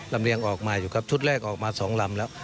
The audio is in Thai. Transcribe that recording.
เรียงออกมาอยู่ครับชุดแรกออกมา๒ลำแล้ว